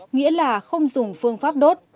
nghĩa là không dùng phương pháp đốt